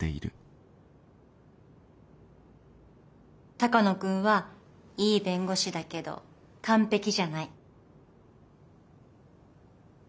鷹野君はいい弁護士だけど完璧じゃない。